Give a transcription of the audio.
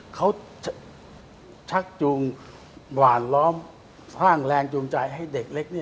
เขาชักจูงหวานล้อมสร้างแรงจูงใจให้เด็กเล็ก